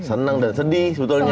seneng dan sedih sebetulnya